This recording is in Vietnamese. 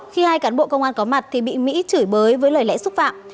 khi hai cán bộ công an có mặt thì bị mỹ chửi bới với lời lẽ xúc phạm